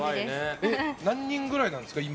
何人くらいなんですか？